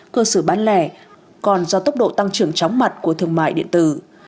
cơ sở bán lẻ còn do tốc độ tăng trưởng chóng mặt của thương mại điện tử